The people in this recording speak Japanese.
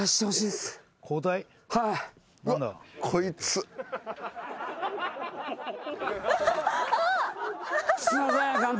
すいません監督。